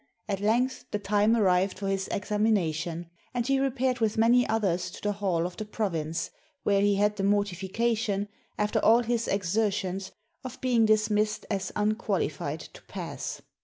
At length the time arrived for his examination, and he repaired with many others to the hall of the province, where he had the mortification, after all his exertions, of 71 CHINA being dismissed as unqualified to pass.